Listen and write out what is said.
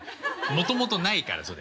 もともとないからそれ。